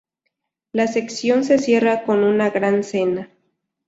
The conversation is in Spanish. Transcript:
La sección se cierra con una gran cena.